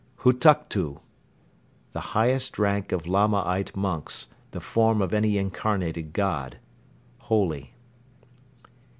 Hutuktu. The highest rank of Lamaite monks; the form of any incarnated god; holy.